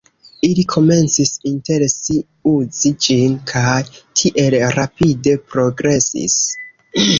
Ili komencis inter si uzi ĝin kaj tiel rapide progresis.